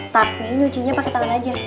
tapi nyucinya pakai tangan aja